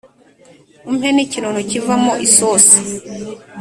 umpe n'ikinono kivamo isosi."